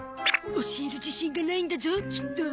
教える自信がないんだゾきっと。